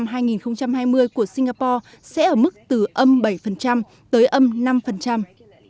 trong khi đó một số lĩnh vực của singapore sẽ ở mức từ âm bảy tới âm năm